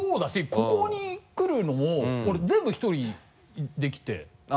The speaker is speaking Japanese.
ここに来るのも俺全部１人で来て。